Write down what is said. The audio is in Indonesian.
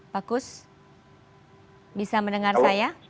pak kus bisa mendengar saya